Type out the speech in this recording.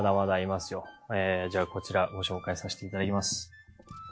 じゃあこちらご紹介させていただきます。